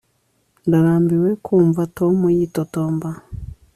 ndarambiwe kumva tom yitotomba